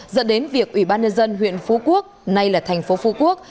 dẫn đến việc ủy ban nhân dân huyện phú quốc nay là thành phố phú quốc